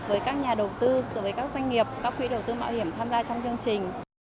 với các nhà đầu tư với các doanh nghiệp các quỹ đầu tư mạo hiểm tham gia trong chương trình